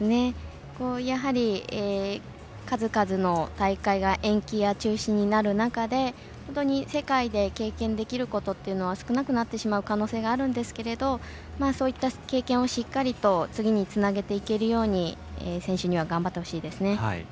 やはり数々の大会が延期や中止になる中で本当に世界で経験できることというのは少なくなってしまう可能性があるんですけれどそういった経験をしっかりと次につなげていけるように選手には頑張ってほしいですね。